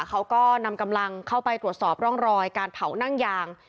เขาก็นำกำลังเข้าไปตรวจสอบร่องรอยการเผานั่งยาง